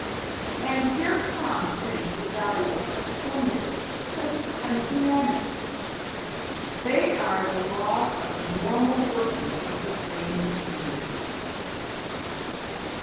And here comes in the value of such formul\ae{} as the Ten Commandments. They are the laws of the \emph{normal} working of the brain machinery.